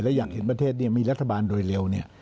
และอยากเห็นประเทศมีรัฐบาลโดยเร็ว